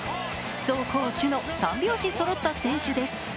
走攻守の三拍子そろった選手です。